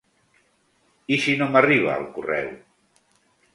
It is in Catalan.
I si no m’arriba el correu?